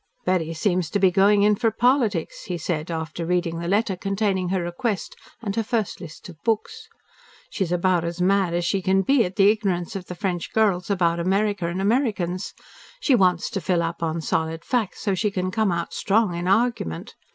"Betty seems to be going in for politics," he said after reading the letter containing her request and her first list of books. "She's about as mad as she can be at the ignorance of the French girls about America and Americans. She wants to fill up on solid facts, so that she can come out strong in argument.